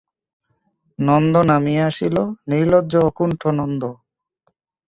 নন্দ নামিয়া আসিল, নির্লজ্জ অকুণ্ঠ নন্দ।